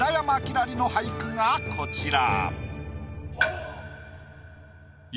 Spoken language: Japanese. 星の俳句がこちら。